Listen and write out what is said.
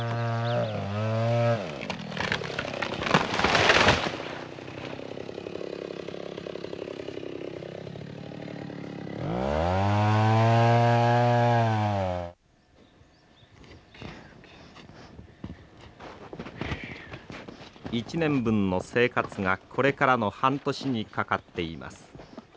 一年分の生活がこれからの半年にかかっています。